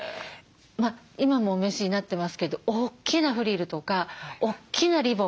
今もお召しになってますけど大きなフリルとか大きなリボン